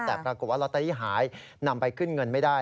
แต่ปรากฏว่าลอตเตอรี่หายนำไปขึ้นเงินไม่ได้